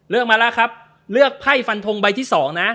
มาแล้วครับเลือกไพ่ฟันทงใบที่๒นะ